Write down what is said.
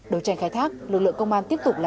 đối tranh khai thác lực lượng công an tiếp tục làm